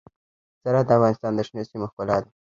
زراعت د افغانستان د شنو سیمو ښکلا ده.